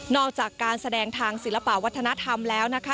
อกจากการแสดงทางศิลปะวัฒนธรรมแล้วนะคะ